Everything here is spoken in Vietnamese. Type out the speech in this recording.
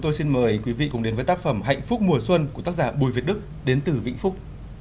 tôi xin mời quý vị cùng đến với tác phẩm hạnh phúc mùa xuân của tác giả bùi việt đức đến từ vĩnh phúc